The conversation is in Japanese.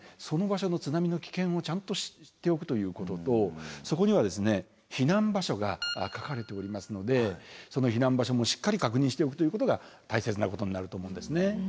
その場所の津波の危険をちゃんと知っておくということとそこには避難場所が書かれておりますのでその避難場所もしっかり確認しておくということが大切なことになると思うんですね。